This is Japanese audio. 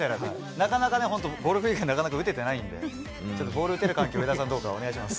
なかなかね、本当、ゴルフ以外、なかなか打ててないんで、ちょっとボール打てる環境を、上田さん、どうかお願いいたします。